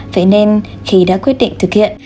vậy nên khi đã quyết định thực hiện